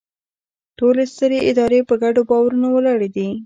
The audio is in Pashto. ټولې سترې ادارې په ګډو باورونو ولاړې دي.